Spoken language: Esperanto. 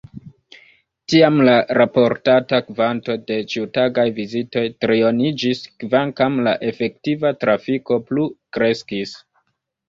Tiam la raportata kvanto de ĉiutagaj vizitoj trioniĝis, kvankam la efektiva trafiko plu kreskis.